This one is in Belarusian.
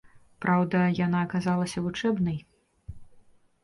Праўда, яна аказалася вучэбнай.